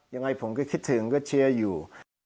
ยังไงผมก็คิดถึงก็เชียร์อยู่